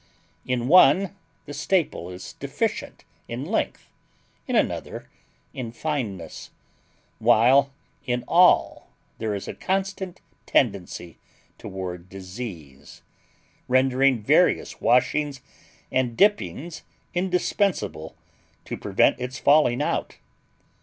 In one the staple is deficient in length, in another in fineness; while in all there is a constant tendency toward disease, rendering various washings and dippings indispensable to prevent its falling out.